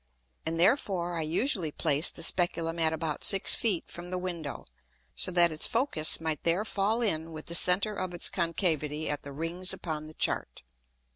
And therefore I usually placed the Speculum at about six Feet from the Window; so that its Focus might there fall in with the center of its concavity at the Rings upon the Chart.